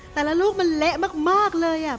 แต่ละลูกมันเละมากเลย